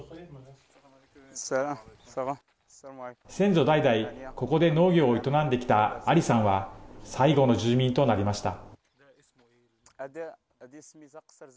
先祖代々ここで農業を営んできたアリさんは最後の住民となりました。